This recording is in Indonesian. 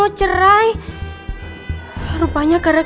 kan ta paint performanti dalamtheir seribu sembilan ratus sembilan puluh dua